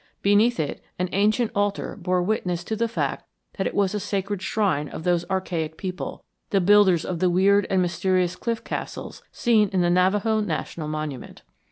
Beneath it, an ancient altar bore witness to the fact that it was a sacred shrine of those archaic people, the builders of the weird and mysterious cliff castles seen in the Navajo National Monument.